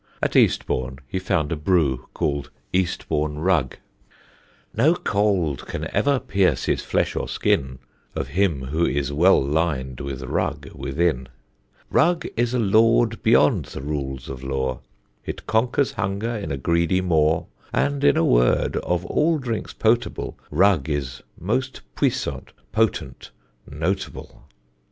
At Eastbourne he found a brew called Eastbourne Rug: No cold can ever pierce his flesh or skin Of him who is well lin'd with Rug within; Rug is a lord beyond the Rules of Law, It conquers hunger in a greedy maw, And, in a word, of all drinks potable, Rug is most puissant, potent, notable.